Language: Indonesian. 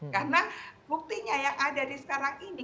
karena buktinya yang ada di sekarang ini